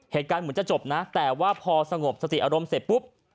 เหตุการณ์เหมือนจะจบนะแต่ว่าพอสงบสติอารมณ์เสร็จปุ๊บ